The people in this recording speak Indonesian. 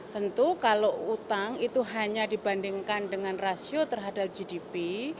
tentu kalau utang itu hanya dibandingkan dengan rasio terhadap gdp